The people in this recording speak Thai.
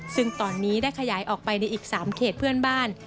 ซึ่งตอนนี้ได้ขยายออกไปในอีก๓เขตเพื่อนบ้าน